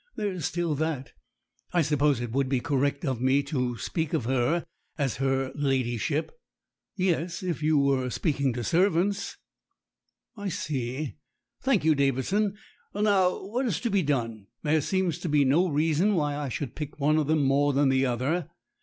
There is still that. I suppose it would be correct of me to speak of her as her ladyship." "Yes if you were speaking to servants." "I see. Thank you, Davidson. Well, now, what is to be done? There seems to be no reason why I should pick one of them more than the other.